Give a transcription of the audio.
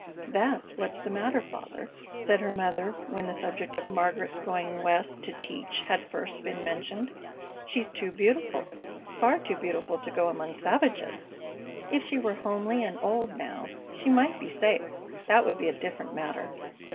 "That's what's the matter, father," said her mother, when the subject of Margaret's going West to teach had first been mentioned. "She's too beautiful. Far too beautiful to go among savages! If she were homely and old, now, she might be safe. That would be a different matter."